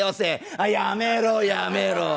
あっやめろやめろ！